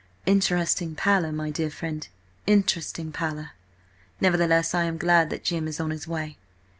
"Interesting pallor, my dear friend, interesting pallor. Nevertheless, I am glad that Jim is on his way."